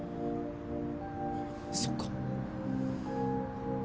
そっか。